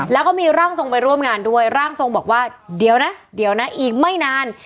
แล้วก็มีร่างทรงไปร่วมงานด้วยร่างทรงบอกว่าเดี๋ยวนะเดี๋ยวนะอีกไม่นาน